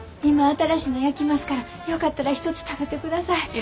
今新しいの焼きますからよかったら一つ食べてください。